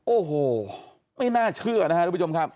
โอ้โหไม่น่าเชื่อนะครับทุกผู้ชมครับ